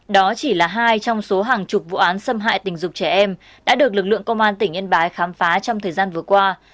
đó chỉ là hai trong số hàng chục vụ án xâm hại tình dục trẻ em đã được lực lượng công an tỉnh yên bái khám phá trong thời gian vừa qua